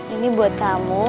ini buat kamu